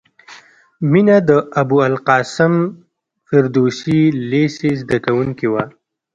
مینه د ابوالقاسم فردوسي لېسې زدکوونکې وه